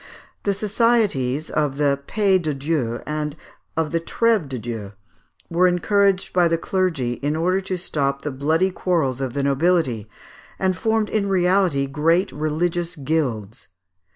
The societies of the Paix de Dieu, and of the Trève de Dieu, were encouraged by the clergy in order to stop the bloody quarrels of the nobility, and formed in reality great religious guilds.